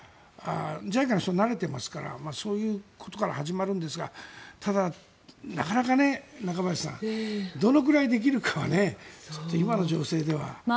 ＪＩＣＡの人は慣れていますからそういうことから始まるんですがただ、なかなかね中林さん、どのぐらいできるかは今の情勢では。